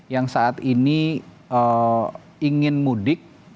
yang saat ini ingin mudik